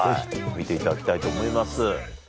見ていただきたいと思います。